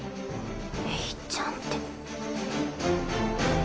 えいちゃんって。